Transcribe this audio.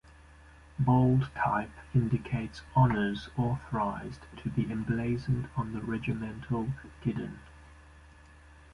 Bold type indicates honours authorized to be emblazoned on the regimental guidon.